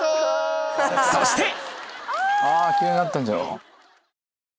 そして